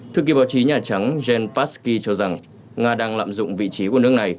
thư ký báo chí nhà trắng jen psaki cho rằng nga đang lạm dụng vị trí của nước này